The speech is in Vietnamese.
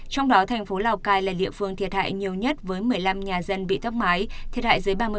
trong đó thành phố lào cai là địa phương thiệt hại nhiều nhất với một mươi năm nhà dân bị tốc mái thiệt hại dưới ba mươi